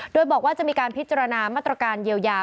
โดยบอกว่าจะมีการพิจารณามาตรการเยียวยา